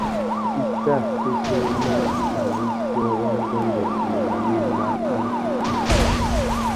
I tà fesséména nà wuchiô wa nguêndê mamba mïma a ru tsaka.